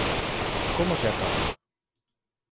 Como se atopa?